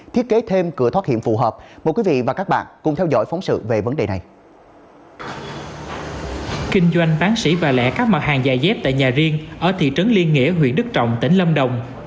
kinh doanh bán sĩ và lẻ các mặt hàng giày dép tại nhà riêng ở thị trấn liên nghĩa huyện đức trọng tỉnh lâm đồng